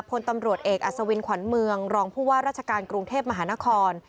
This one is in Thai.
พลตำรวจเอกอัศวินขวัญเมืองรองผู้ว่าราชการกรุงเทพมหานคร